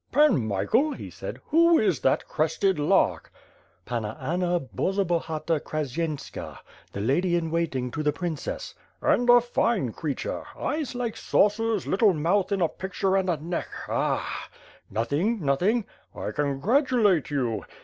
"Pan Michael," he said, "who is that crested lark?" "Panna Anna Borzobahata Krashyenska, the lady in wait ing to the princess." "And a tine creature. Eyes like saucers, little mouth like a picture and a neck — ^ah!" "Nothing! Nothing!" "I congratulate you!"